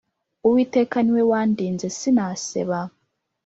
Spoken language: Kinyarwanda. Uwiteka niwe wandinze si naseba